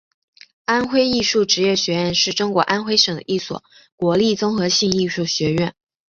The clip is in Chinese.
安徽艺术职业学院是中国安徽省的一所国立综合性艺术学院。